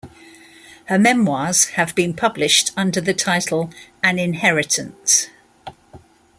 Her memoirs have been published under the title "An Inheritance".